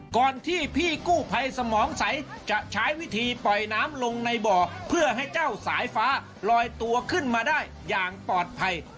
ก่อนที่พี่กู้ภัยสมองใสจะใช้วิธีปล่อยน้ำลงในบ่อเพื่อให้เจ้าสายฟ้าลอยตัวขึ้นมาได้อย่างปลอดภัย